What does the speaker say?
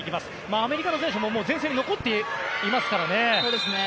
アメリカの選手も前線に残っていますからね。